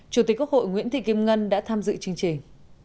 chủ tịch quốc hội nguyễn thị kim ngân đã tham dự chương trình